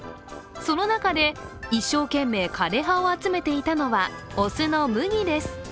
その中で一生懸命、枯れ葉を集めていたのは雄のムギです。